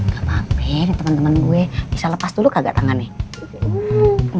gapapa ini temen temen gue bisa lepas dulu kagak tangannya